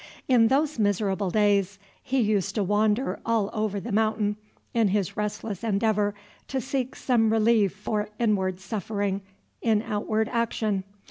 In those miserable days he used to wander all over The Mountain in his restless endeavor to seek some relief for inward suffering in outward action.